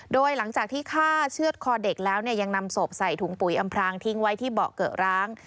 โดยหลังจากที่ฆ่าเชื่อดคอเด็กแล้วเนี่ยยังนำศพใส่ถุงปุ๋ยอำพรางทิ้งไว้ที่เบาะเกอะร้าง